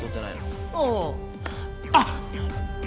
あっ！